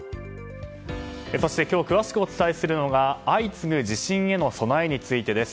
そして、今日詳しくお伝えするのが相次ぐ地震への備えについてです。